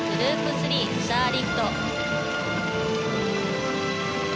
３、スターリフト。